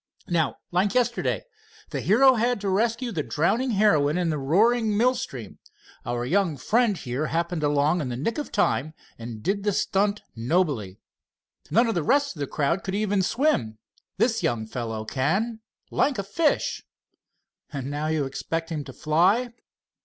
"Now, like yesterday. The hero had to rescue the drowning heroine in the roaring mill stream. Our young friend here happened along in the nick of time, and did the stunt nobly. None of the rest of the crowd could even swim—this young fellow can, like a fish." "And now you expect him to fly?"